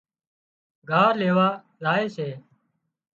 ڳاهَه ليوا زائي سي